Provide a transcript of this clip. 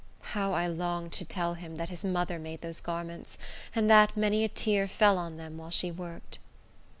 How I longed to tell him that his mother made those garments, and that many a tear fell on them while she worked!